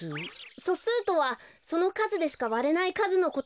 そすうとはそのかずでしかわれないかずのことで。